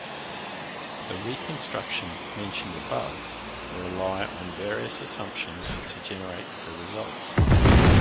The reconstructions mentioned above rely on various assumptions to generate their results.